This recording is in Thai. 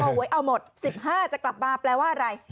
หวยเอาหมด๑๕จะกลับมาแปลว่าอะไร